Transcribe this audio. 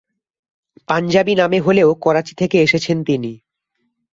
পাঞ্জাবী নামে হলেও করাচী থেকে এসেছেন তিনি।